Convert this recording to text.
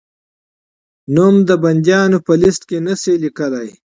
نوم د بندیانو په لېسټ کې نه شې لیکلای؟